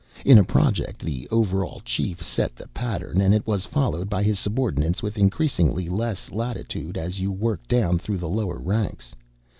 In a Project, the overall chief set the pattern, and it was followed by his subordinates with increasingly less latitude as you worked down through the lower ranks.